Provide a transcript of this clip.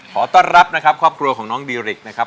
ขอต้อนรับนะครับครอบครัวของน้องดีริกนะครับ